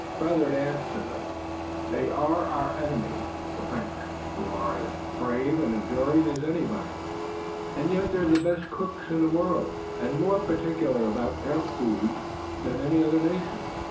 Rather it adds to them. There are our enemies, the French, who are as brave and enduring as anybody, and yet they're the best cooks in the world, and more particular about their food than any other nation."